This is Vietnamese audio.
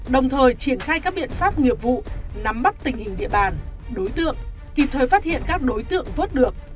đồng thời triển khai các biện pháp nghiệp vụ nắm bắt tình hình địa bàn đối tượng kịp thời phát hiện các đối tượng vớt được